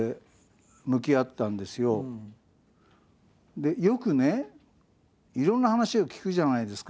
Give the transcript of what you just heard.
でよくねいろんな話を聞くじゃないですか。